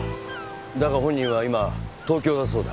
だが本人は今東京だそうだ。